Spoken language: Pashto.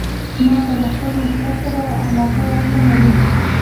نو که له خپل مسلک سره علاقه ونه لرئ.